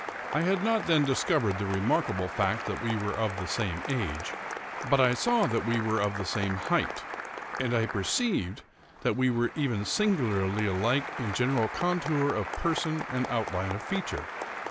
I had not then discovered the remarkable fact that we were of the same age; but I saw that we were of the same height, and I perceived that we were even singularly alike in general contour of person and outline of feature.